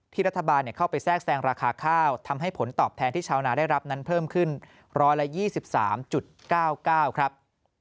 รัฐบาลเข้าไปแทรกแซงราคาข้าวทำให้ผลตอบแทนที่ชาวนาได้รับนั้นเพิ่มขึ้น๑๒๓๙๙ครับ